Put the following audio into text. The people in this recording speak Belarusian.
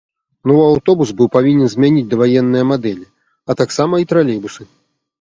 Новы аўтобус быў павінен змяніць даваенныя мадэлі, а таксама і тралейбусы.